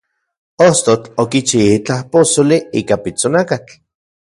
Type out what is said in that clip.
Ostotl okichi itlaj posoli ika pitsonakatl.